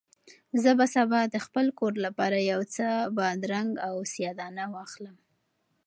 زه به سبا د خپل کور لپاره یو څه بادرنګ او سیاه دانه واخلم.